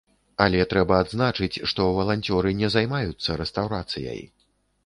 Але трэба адзначыць, што валанцёры не займаюцца рэстаўрацыяй.